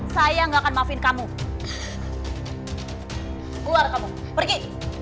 saya nggak akan maafin kamu keluar kamu pergi